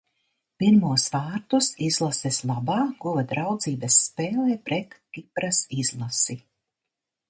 Pirmos vārtus izlases labā guva draudzības spēlē pret Kipras izlasi.